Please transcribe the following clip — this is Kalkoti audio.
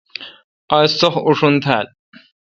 آج اس سخ اوشون تھال۔